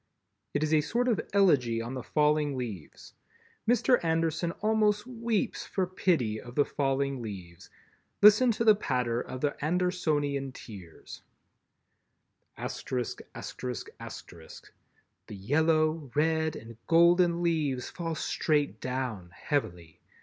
It is a sort of elegy on the falling leaves. Mr. Anderson almost weeps for pity of the falling leaves. Listen to the patter of the Andersonian tears: "the yellow, red and golden leaves fall straight down heavily.